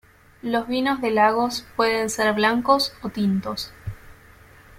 Los vinos de Lagos pueden ser blancos o tintos.